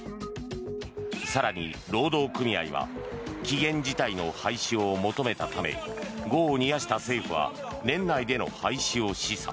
更に労働組合は期限自体の廃止を求めたため業を煮やした政府は年内での廃止を示唆。